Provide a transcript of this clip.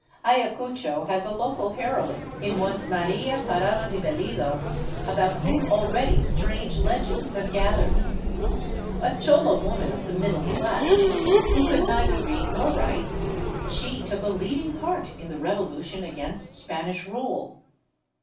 Ayacucho has a local heroine in one Maria Parado de Bellido about whom already strange legends have gathered. A chola woman of the middle class, who could neither read nor write, she took a leading part in the revolution against Span ish rule.